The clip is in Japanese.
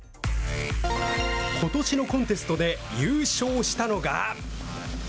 ことしのコンテストで優勝したのが。